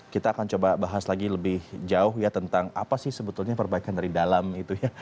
kita akan coba bahas lagi lebih jauh ya tentang apa sih sebetulnya perbaikan dari dalam itu ya